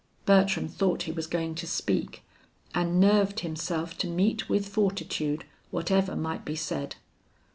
Bertram thought he was going to speak, and nerved himself to meet with fortitude whatever might be said.